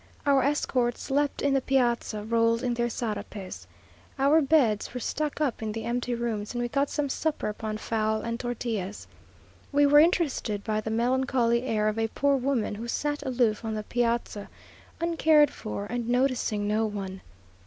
Our escort slept in the piazza, rolled in their sarapes. Our beds were stuck up in the empty rooms, and we got some supper upon fowl and tortillas. We were interested by the melancholy air of a poor woman, who sat aloof on the piazza, uncared for, and noticing no one.